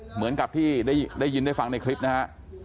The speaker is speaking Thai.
เหมือนกับที่ได้ยินได้ฟังในคลิปนะฮะ